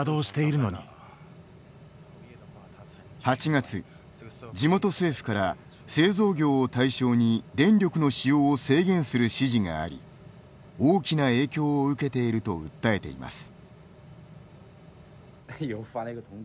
８月、地元政府から製造業を対象に電力の使用を制限する指示があり大きな影響を受けていると訴えています。